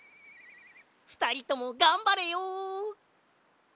ふたりともがんばれよ。